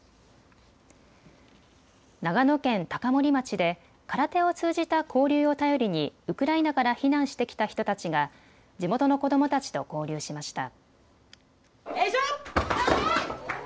長野県高森町で空手を通じた交流を頼りにウクライナから避難してきた人たちが地元の子どもたちと交流しました。